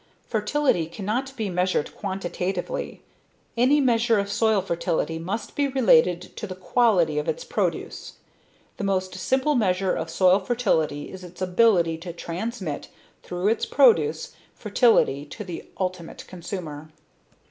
Fertility cannot be measured quantitatively. Any measure of soil fertility must be related to the quality of its produce. ... the most simple measure of soil fertility is its ability to transmit, through its produce, fertility to the ultimate consumer."